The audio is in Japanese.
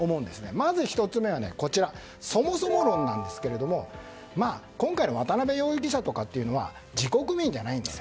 まず１つ目はそもそも論ですが今回の渡辺容疑者とかというのは自国民じゃないんですよ。